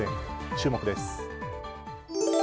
注目です。